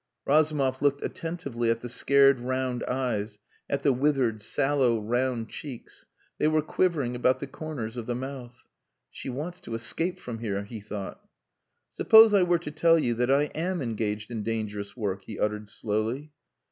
Razumov looked attentively at the scared round eyes, at the withered, sallow, round cheeks. They were quivering about the corners of the mouth. "She wants to escape from here," he thought. "Suppose I were to tell you that I am engaged in dangerous work?" he uttered slowly.